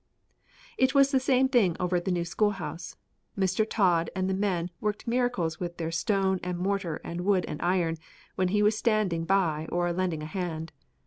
It was the same thing over at the new schoolhouse. Mr. Todd and the men worked miracles with their stone and mortar and wood and iron when he was standing by or lending a hand.